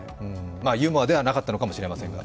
ユーモアではなかったのかもしれませんが。